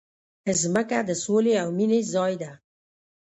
مځکه د سولې او مینې ځای ده.